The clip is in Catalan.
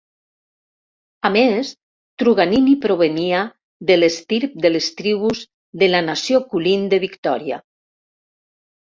A més, Truganini provenia de l'estirp de les tribus de la Nació Kulin de Victoria.